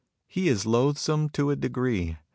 He is loathsome to a degree.